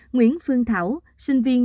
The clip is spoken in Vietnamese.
nguyễn phương thảo sinh viên